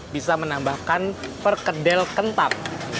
bisa menambahkan perkedel kental